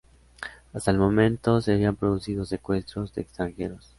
Hasta el momento se habían producido secuestros de extranjeros.